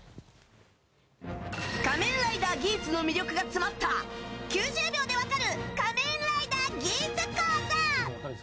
「仮面ライダーギーツ」の魅力が詰まった９０秒で分かる「仮面ライダーギーツ」講座！